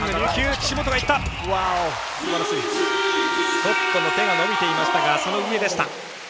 スコットも手が伸びていましたがその上でした。